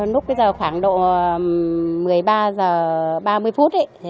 lúc bây giờ khoảng độ một mươi ba h ba mươi phút